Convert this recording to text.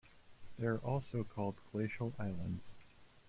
They are also called glacial islands.